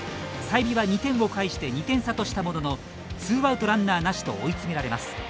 済美は、２点をかえして２点差としたもののツーアウト、ランナーなしと追い詰められます。